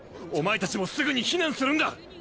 お前たちもすぐに避難するんだ。